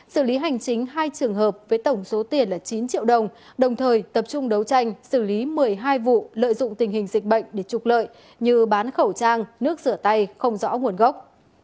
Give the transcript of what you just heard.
xử lý hành chính hai trường hợp với tổng số tiền là chín triệu đồng đồng thời tập trung đấu tranh xử lý một mươi hai vụ lợi dụng tình hình dịch bệnh để trục lợi như bán khẩu trang nước rửa tay không rõ nguồn gốc